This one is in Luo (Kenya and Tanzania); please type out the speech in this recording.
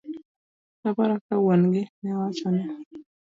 Noparo kaka wuon gi newachone.